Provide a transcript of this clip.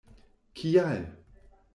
Kial!?